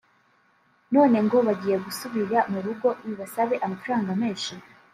none ngo bagiye gusubira mu rugo bibasabe amafaranga menshi